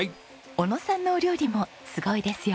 小野さんのお料理もすごいですよ。